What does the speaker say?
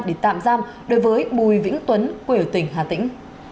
để tạm giam đối với bùi vĩnh tuấn quê ở tỉnh hà tĩnh